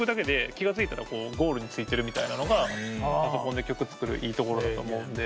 気が付いたらゴールに着いてるみたいなのがパソコンで曲作るいいところだと思うんで。